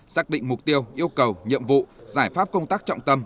xác định mục tiêu yêu cầu nhiệm vụ giải pháp công tác trọng tâm